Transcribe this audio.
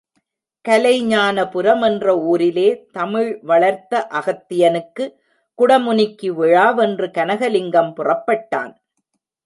கலைஞானபுரம் என்ற ஊரிலே, தமிழ் வளர்த்த அகத்தியனுக்கு குடமுனிக்கு விழாவென்று, கனகலிங்கம் புறப்பட்டான்.